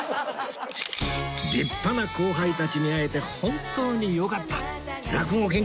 立派な後輩たちに会えて本当によかった！